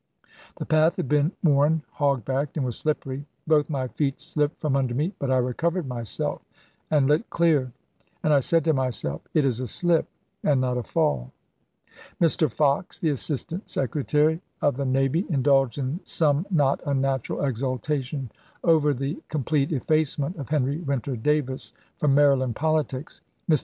The path had been worn hog backed and was slippery. Both my feet slipped from under me, but I recovered myself and lit clear; and I said to myself, ' It is a slip, and not a fall.' " Mr. Fox, the Assistant Secretary of the Navy, indulged in some not unnatural exultation over the complete effacement of Henry Winter Davis from Maryland politics. Mr.